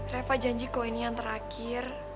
reva janji kok ini yang terakhir